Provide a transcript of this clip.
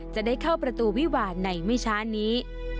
จะได้เข้าประตูวิหวานในไม่ช้านี้